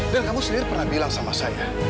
kamu sendiri pernah bilang sama saya